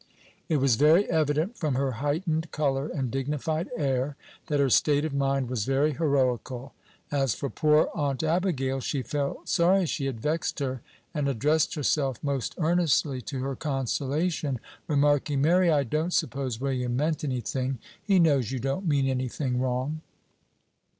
It was very evident, from her heightened color and dignified air, that her state of mind was very heroical. As for poor Aunt Abigail, she felt sorry she had vexed her, and addressed herself most earnestly to her consolation, remarking, "Mary, I don't suppose William meant any thing. He knows you don't mean any thing wrong."